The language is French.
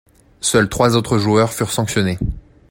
Seuls trois autres joueurs furent sanctionnés.